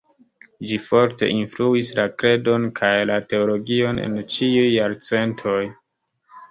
Ĝi forte influis la kredon kaj la teologion en ĉiuj jarcentoj.